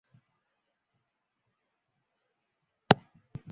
征才条件相当优渥